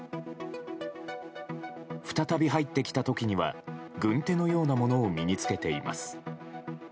再び入ってきた時には軍手のようなものを身に着けています。